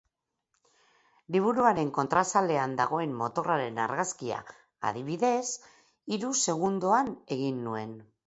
Liburuaren kontrazalean dagoen motorraren argazkia, adibidez, hiru segundoan egin nuen.